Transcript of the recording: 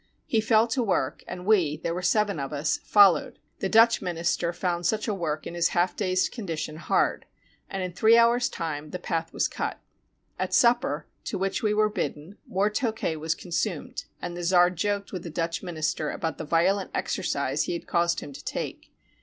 He fell to work, and we (there were seven of us) followed (the Dutch minister found such a work in his half dazed condition hard) ; and in three hours' time the path was cut. At supper, to which we were bidden, more Tokay was consumed, and the czar joked with the Dutch min ister about the violent exercise he had caused him to take.